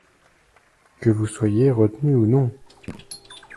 Que vous soyez retenue ou non.